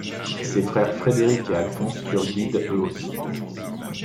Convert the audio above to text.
Ses frères Frédéric et Alphonse furent guides eux aussi.